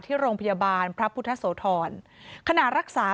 ที่โรงพยาบาลพระพุทธโสธร